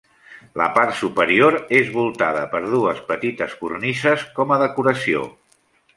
La part superior és voltada per dues petites cornises com a decoració.